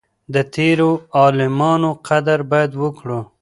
د تيرو عالمانو قدر بايد وکړو.